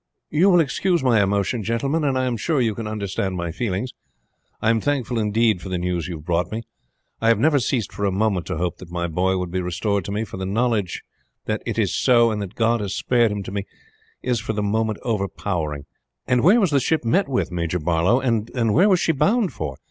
"You will excuse my emotion, gentlemen, and I am sure you can understand my feelings. I am thankful indeed for the news you have brought me. I have never ceased for a moment to hope that my boy would be restored to me; but the knowledge that it is so, and that God has spared him to me, is for the moment overpowering. And where was the ship met with, Major Barlow, and where was she bound for?